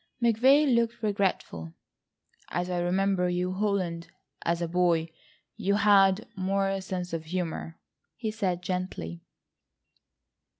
McVay looked regretful. "As I remembered you, Holland, as a boy, you had more sense of humour," he said gently.